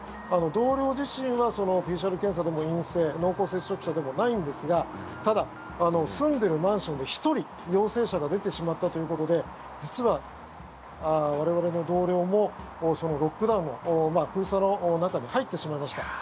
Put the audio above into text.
同僚自身はＰＣＲ検査でも陰性濃厚接触者でもないんですがただ、住んでいるマンションで１人陽性者が出てしまったということで実は我々の同僚もロックダウンの封鎖の中に入ってしまいました。